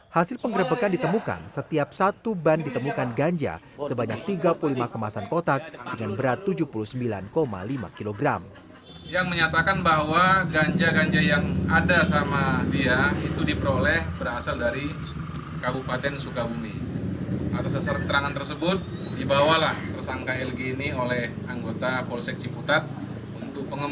hasil penggrebekan ditemukan setiap satu ban ditemukan ganja sebanyak tiga puluh lima kemasan kotak dengan berat tujuh puluh sembilan lima kilogram